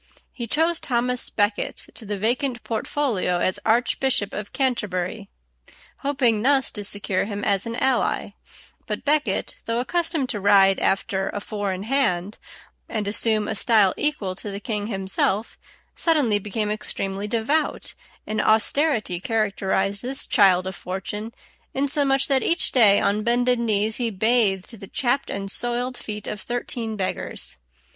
He chose Thomas à Becket to the vacant portfolio as Archbishop of Canterbury, hoping thus to secure him as an ally; but à Becket, though accustomed to ride after a four in hand and assume a style equal to the king himself, suddenly became extremely devout, and austerity characterized this child of fortune, insomuch that each day on bended knees he bathed the chapped and soiled feet of thirteen beggars.